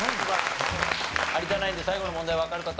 有田ナインで最後の問題わかる方？